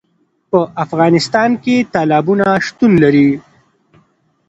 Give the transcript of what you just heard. په افغانستان کې تالابونه شتون لري.